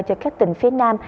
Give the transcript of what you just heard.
cho các tỉnh phía nam